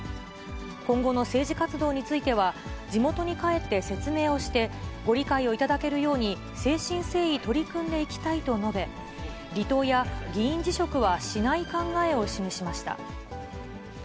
今後の政治活動については、地元に帰って説明をして、ご理解をいただけるように誠心誠意取り組んでいきたいと述べ、離党や議員辞職はしない考えを示しました。